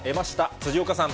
辻岡さん。